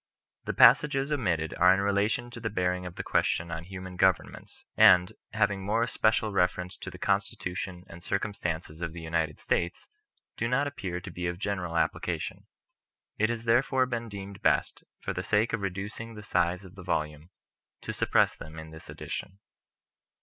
The passages omitted are in relation to the bearing of the question on Human Governments; and, having more especial reference to the Constitution and circum stances of the United States, do not appear to be of general application ; it has therefore been deemed best, for the sake of reducing the size of the Volume, to sup press them in this edition.